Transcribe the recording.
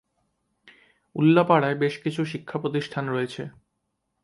উল্লাপাড়ায় বেশকিছু শিক্ষা প্রতিষ্ঠান রয়েছে।